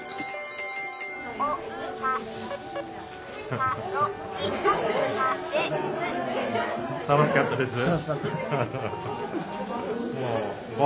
結構「楽しかったです」。